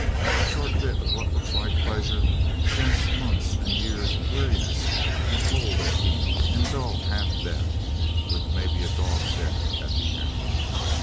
A short bit of what looks like pleasure, against months and years of weariness, and cold and heat, and dull half death, with maybe a dog's death at the end!